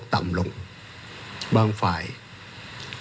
ก็จะทำให้ภาพพฤตของขอสอชอตกต่ำลง